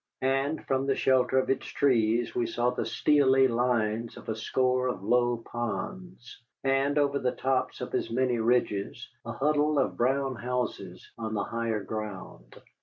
And from the shelter of its trees we saw the steely lines of a score of low ponds, and over the tops of as many ridges a huddle of brown houses on the higher ground.